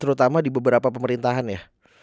terutama di beberapa pemerintahan ya